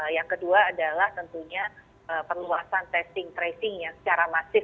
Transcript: yang kedua adalah tentunya perluasan testing tracingnya secara masif